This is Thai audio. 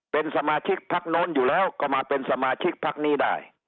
เป็นสมาชิกพักโน้นอยู่แล้วก็มาเป็นสมาชิกพักนี้ได้